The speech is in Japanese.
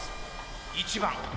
１番。